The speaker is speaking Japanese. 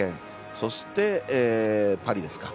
そしてパリですね。